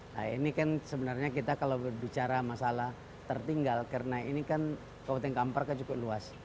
nah ini kan sebenarnya kita kalau berbicara masalah tertinggal karena ini kan kabupaten kampar kan cukup luas